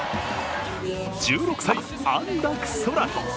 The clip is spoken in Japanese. １６歳、安楽宙斗。